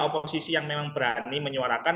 oposisi yang memang berani menyuarakan